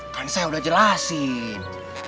kan saya udah jelasin